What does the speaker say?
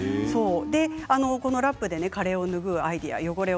このラップでカレーを拭うアイデア